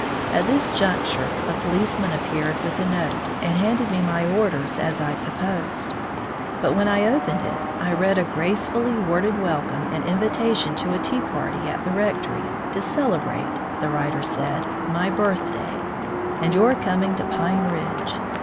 At this juncture a policeman appeared with a note, and handed me my orders, as I supposed. But when I opened it, I read a gracefully worded welcome and invitation to a tea party at the rectory, "to celebrate," the writer said, "my birthday, and your coming to Pine Ridge."